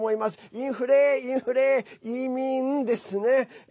インフレ、インフレ、移民！ですね。